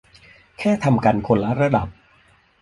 แค่ทำกันคนละระดับ